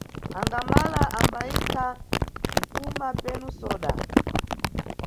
Angamala ambayikha nkhuma penu soda.